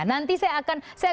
nanti saya akan mulai